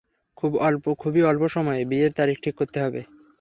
খুবই অল্প সময়ে বিয়ের তারিখ ঠিক করতে হবে।